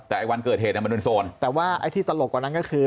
แต่ไอ้วันเกิดเหตุมันเป็นโซนแต่ว่าไอ้ที่ตลกกว่านั้นก็คือ